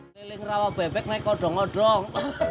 pilih rawa bebek naik kodong kodong